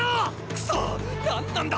くそっ何なんだ